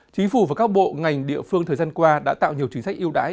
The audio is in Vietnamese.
chính phủ và các bộ ngành địa phương thời gian qua đã tạo nhiều chính sách yêu đái